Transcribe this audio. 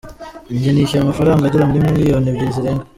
Jye nishyuye amafaranga agera muri miliyoni ebyiri zirenga".